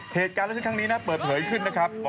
เหตุการณ์และเช่นครั้งนี้นะเปิดเผยขึ้นนะครับ